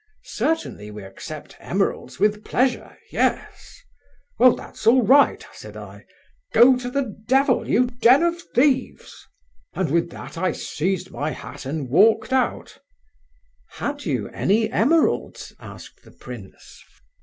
'Certainly, we accept emeralds with pleasure. Yes!' 'Well, that's all right,' said I. 'Go to the devil, you den of thieves!' And with that I seized my hat, and walked out." "Had you any emeralds?" asked the prince.